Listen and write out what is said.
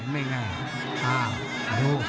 ไม่ง่าย